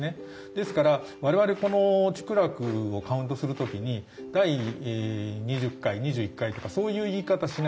ですから我々この竹楽をカウントする時に第２０回２１回とかそういう言い方しないんですよ。